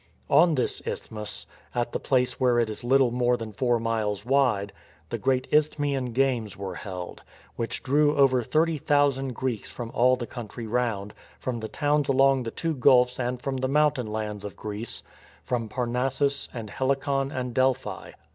On this isthmus, at the place where it is little more than four miles wide, the great Isthmian games were held, which drew over thirty thousand Greeks from all the country round, from the towns along the two gulfs and from the mountain lands of Greece, from Parnassus and Helicon and Delphi.